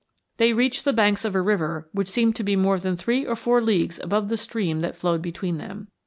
"They reached the banks of a river which seemed to be more than three or four leagues above the stream that flowed between them."